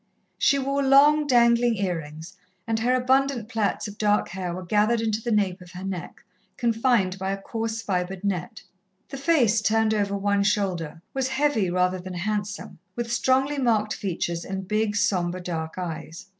She wore long, dangling ear rings, and her abundant plaits of dark hair were gathered into the nape of her neck, confined by a coarse fibred net. The face, turned over one shoulder, was heavy rather than handsome, with strongly marked features and big, sombre, dark eyes.